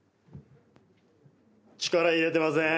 力入れてません。